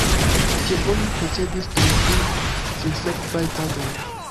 Tiel oni procedis dum tri sinsekvaj tagoj.